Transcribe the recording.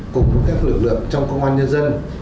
cùng với các lực lượng trong công an nhân dân